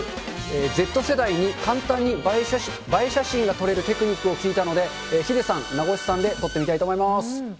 Ｚ世代に簡単に映え写真が撮れるテクニックを聞いたので、ヒデさん、名越さんで撮ってみたいと思います。